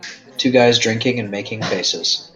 Two guys drinking and making faces.